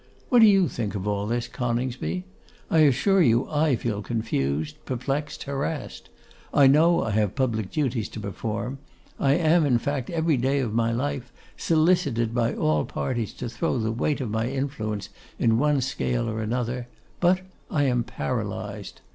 What do you think of all this, Coningsby? I assure you I feel confused, perplexed, harassed. I know I have public duties to perform; I am, in fact, every day of my life solicited by all parties to throw the weight of my influence in one scale or another; but I am paralysed.